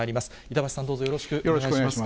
板橋さん、どうぞよろしくお願いします。